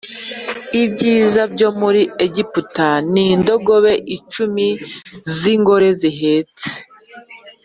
ibyiza byo muri Egiputa n indogobe icumi z ingore zihetse